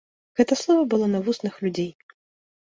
Гэта слова было на вуснах людзей.